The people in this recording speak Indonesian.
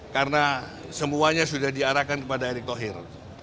karena semuanya sudah diarahkan kepada erick thohir